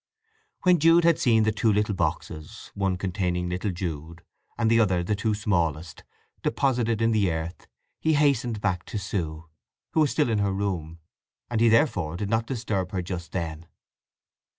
When Jude had seen the two little boxes—one containing little Jude, and the other the two smallest—deposited in the earth he hastened back to Sue, who was still in her room, and he therefore did not disturb her just then.